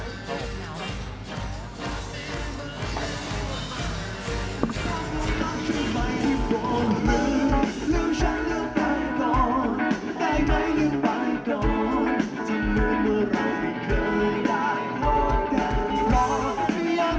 รู้แล้วเธอชอบผู้ชายแบบไร